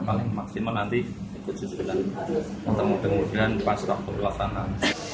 paling maksimal nanti ikut sesuatu dan ketemu kemudian pas waktu pelaksanaan